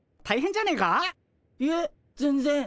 いえ全然。